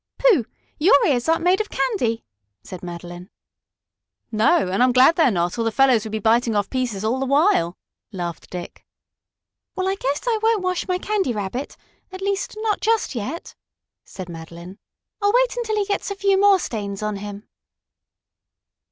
"Pooh! your ears aren't made of candy," said Madeline. "No. And I'm glad they're not, or the fellows would be biting pieces off all the while," laughed Dick. "Well, I guess I won't wash my Candy Rabbit at least not just yet," said Madeline. "I'll wait until he gets a few more stains on him."